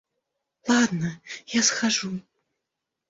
Ладно, я схожу.